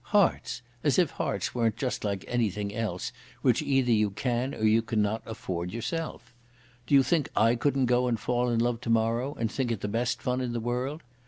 Hearts! As if hearts weren't just like anything else which either you can or you cannot afford yourself. Do you think I couldn't go and fall in love to morrow, and think it the best fun in the world?